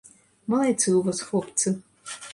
Малайцы ў вас хлопцы.